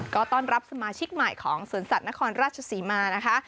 ก็ต้อนรับสมาชิกใหม่ของสวนสัตว์นครราชศรีมานะคะ